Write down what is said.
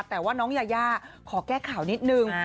แต่ว่าน้องยายาขอแก้ข่าวนิดนึง